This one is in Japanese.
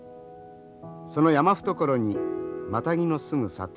その山懐にマタギの住む里